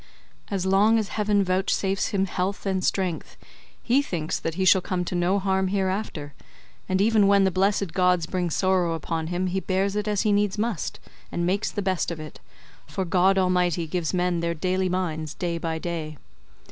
As long as heaven vouchsafes him health and strength, he thinks that he shall come to no harm hereafter, and even when the blessed gods bring sorrow upon him, he bears it as he needs must, and makes the best of it; for God almighty gives men their daily minds day by day.